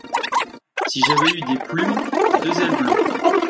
Si j'avais eu des plumes, deux ailes bleues.